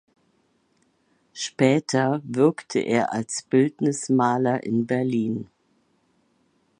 Später wirkte er als Bildnismaler in Berlin.